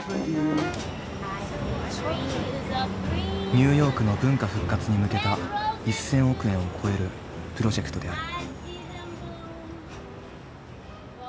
ニューヨークの文化復活に向けた１，０００億円を超えるプロジェクトである。